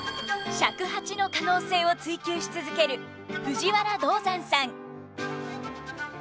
尺八の可能性を追求し続ける藤原道山さん。